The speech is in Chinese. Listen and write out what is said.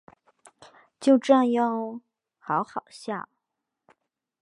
就这样喔好好笑